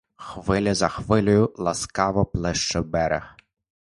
Хвиля за хвилею ласкаво плеще в берег.